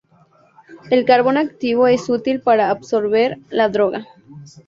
El carbón activado es útil para absorber la droga.